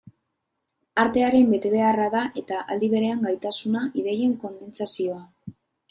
Artearen betebeharra da, eta aldi berean gaitasuna, ideien kondentsazioa.